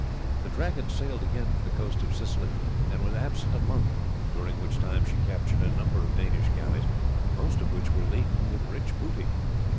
The Dragon sailed again for the coast of Sicily and was absent a month, during which time she captured a number of Danish galleys, most of which were laden with rich booty.